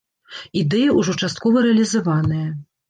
Ідэя ўжо часткова рэалізаваная.